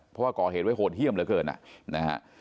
เพราะว่าก่อเหตุไว้โหดเยี่ยมเหลือเกินนะฮะ